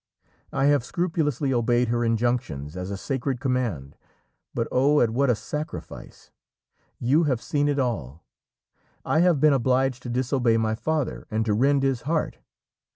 I have scrupulously obeyed her injunctions as a sacred command, but oh, at what a sacrifice! You have seen it all. I have been obliged to disobey my father and to rend his heart.